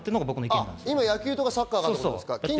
今、野球とかサッカーがということですか？